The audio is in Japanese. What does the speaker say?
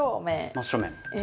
真正面。